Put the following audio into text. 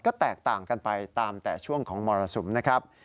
ก็แตกต่างกันไปตามแต่ช่วงของมรสุมนะครับ